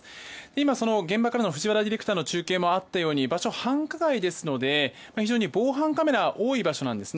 今、現場からの藤原ディレクターの中継でもあったように場所は繁華街ですので防犯カメラが多い場所なんです。